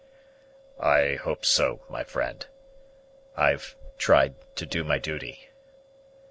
"I hope so, my friend: I've tried to do my duty."